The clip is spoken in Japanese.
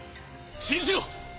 信じろ！